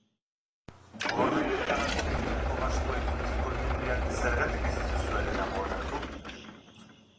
Koordainketagatik egindako gastua itzultzeko neurriak zergatik ez dituzue lehenago onartu?